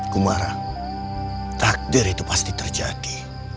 kumaran takdir itu pasti terjadi